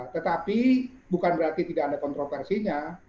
tetapi bukan berarti tidak ada kontroversinya